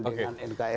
dan itu agendanya